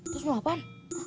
terus mau lepan